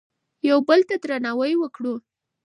یو بل ته درناوی وکړو.